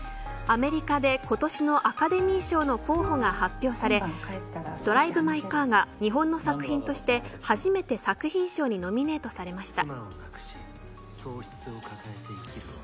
アメリカで今年のアカデミー賞の候補が発表されドライブ・マイ・カーが日本の作品として初めて作品賞にノミネートされました。